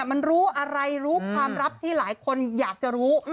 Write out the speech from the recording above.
มันรู้อะไรรู้ความลับที่หลายคนอยากจะรู้